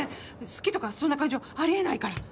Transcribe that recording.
好きとかそんな感情あり得ないから。